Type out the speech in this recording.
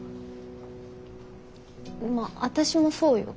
まあ私もそうよ？